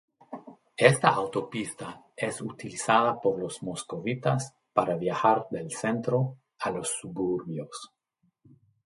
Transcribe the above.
Esta autopista es utilizada por los moscovitas para viajar del centro a los suburbios.